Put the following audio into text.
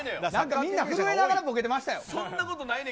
みんな震えながらボケてましたやろ。